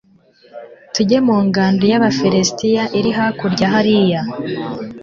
tujye mu ngando y'abafilisiti iri hakurya hariya